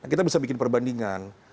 kita bisa bikin perbandingan